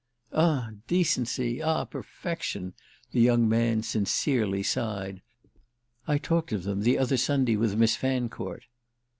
"Ah decency, ah perfection—!" the young man sincerely sighed. "I talked of them the other Sunday with Miss Fancourt."